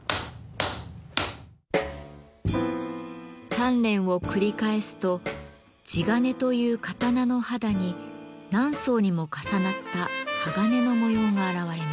鍛錬を繰り返すと地鉄という刀の肌に何層にも重なった鋼の模様が現れます。